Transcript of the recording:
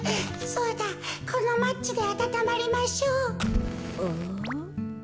そうだこのマッチであたたまりましょう。